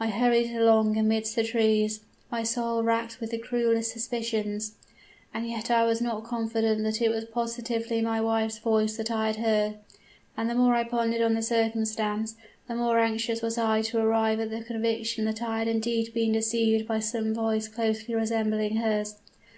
I hurried along amidst the trees, my soul racked with the cruelest suspicions. And yet I was not confident that it was positively my wife's voice that I had heard; and the more I pondered on the circumstance, the more anxious was I to arrive at the conviction that I had indeed been deceived by some voice closely resembling hers.